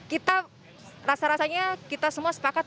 kita rasa rasanya kita semua sepakat